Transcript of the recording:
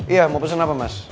iya mau pesan apa mas